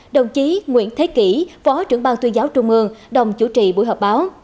đồng chí nguyễn thế kỷ phó trưởng ban tuyên giáo trung ương đồng chủ trì buổi họp báo